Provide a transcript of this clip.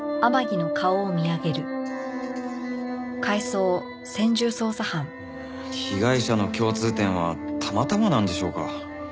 うーん被害者の共通点はたまたまなんでしょうか？